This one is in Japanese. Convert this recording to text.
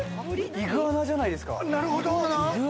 イグアナじゃないですか？